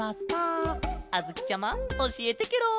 あづきちゃまおしえてケロ！